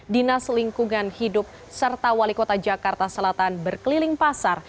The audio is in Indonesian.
dinas lingkungan hidup serta wali kota jakarta selatan berkeliling pasar